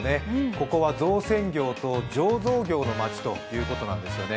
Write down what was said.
ここは造船業と醸造業の町ということなんですね。